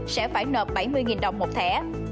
sẽ phải nợ bảy mươi đồng một thẻ